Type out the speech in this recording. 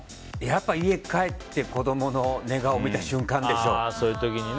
やっぱり家帰って子供の寝顔見た瞬間でしょう。